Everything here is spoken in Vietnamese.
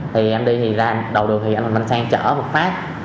thì em đi ra đầu đường thì anh huỳnh văn sang chở một phát